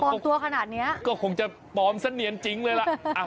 ปลอมตัวขนาดนี้นะครับก็คงจะปลอมเส้นเหนียนจริงเลยล่ะ